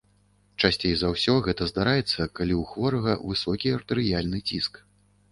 Часцей за ўсё гэта здараецца, калі ў хворага высокі артэрыяльны ціск.